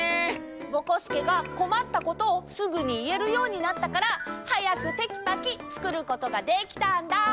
ぼこすけがこまったことをすぐにいえるようになったからはやくテキパキつくることができたんだ！